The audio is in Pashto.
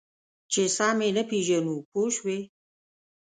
چې سم یې نه پېژنو پوه شوې!.